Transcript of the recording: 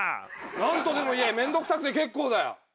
何とでも言え面倒くさくて結構だよ。